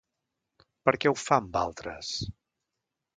Per què ho fa amb altres?